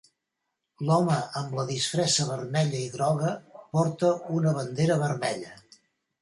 L'home amb la disfressa vermella i groga porta una bandera vermella.